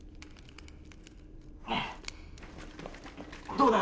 どうだ？